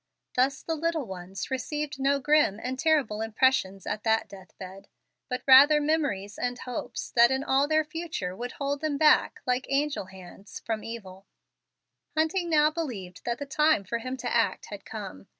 Thus the little ones received no grim and terrible impressions at that death bed, but rather memories and hopes that in all their future would hold them back, like angel hands, from evil. Hunting now believed that the time for him to act had come.